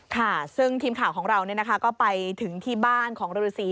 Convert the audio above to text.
ค่ะซึ่งทีมข่าวของเราก็ไปถึงที่บ้านของฤษี